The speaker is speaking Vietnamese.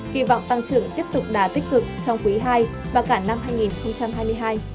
kỳ vọng tăng trưởng tiếp tục đà tích cực trong quý ii và cả năm hai nghìn hai mươi hai